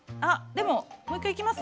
でももう一回いきます？